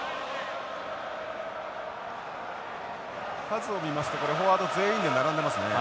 数を見ますとフォワード全員で並んでますね。